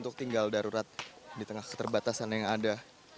untuk tinggal darurat di tengah keterbatasan yang ada